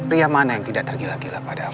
pria mana yang tidak tergila gila padamu